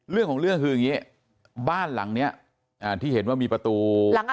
เรื่องของเรื่องคืออย่างนี้บ้านหลังเนี้ยอ่าที่เห็นว่ามีประตูหลัง